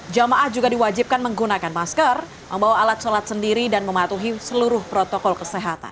jamaah juga diwajibkan menggunakan masker membawa alat sholat sendiri dan mematuhi seluruh protokol kesehatan